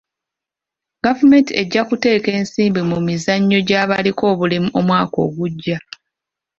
Gavumenti ejja kuteeka ensimbi mu mizannyo gy'abaliko obulemu omwaka ogujja.